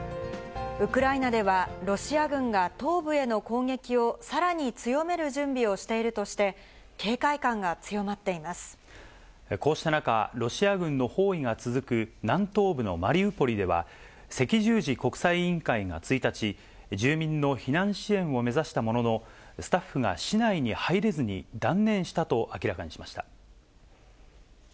ウクライナでは、ロシア軍が東部への攻撃をさらに強める準備をしているとして、こうした中、ロシア軍の包囲が続く南東部のマリウポリでは、赤十字国際委員会が１日、住民の避難支援を目指したものの、スタッフが市内に入れずに断念したと明らかにしました。